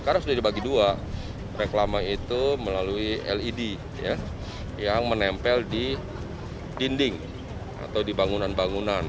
karena sudah dibagi dua reklama itu melalui led yang menempel di dinding atau di bangunan bangunan